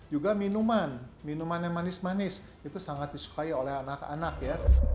juga minuman minuman yang manis manis itu sangat disukai oleh anak anak ya